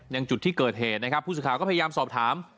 อย่างจุดที่เกิดเหตุนะครับผู้สื่อข่าวก็พยายามสอบถาม